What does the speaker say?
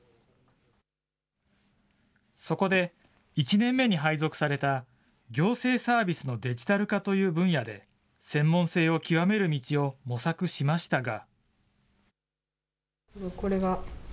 そこで１年目に配属された、行政サービスのデジタル化という分野で、専門性を極める道を模索しましたが。